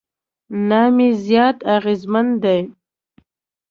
نام یې زیات اغېزمن دی.